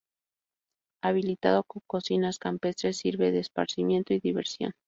Habilitado con cocinas campestres, sirve de esparcimiento y diversión.